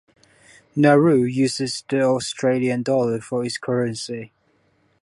Nauru uses the Australian dollar for its currency.